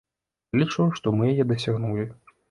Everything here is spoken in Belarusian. Я лічу, што мы яе дасягнулі.